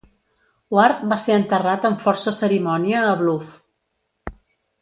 Ward va ser enterrat amb força cerimònia a Bluff.